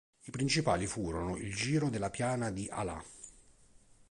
Le principali furono: il giro della Piana di A'la.